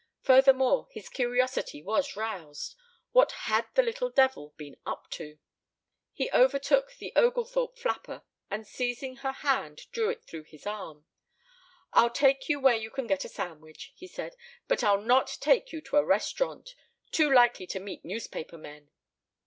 Furthermore, his curiosity was roused. What had the little devil been up to? He overtook the Oglethorpe flapper and seizing her hand drew it through his arm. "I'll take you where you can get a sandwich," he said. "But I'll not take you to a restaurant. Too likely to meet newspaper men."